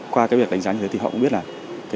qua cái việc đánh giá như thế thì họ cũng biết là